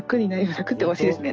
楽っておかしいですね。